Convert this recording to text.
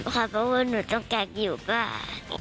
เพราะว่าหนูต้องการอยู่ป้า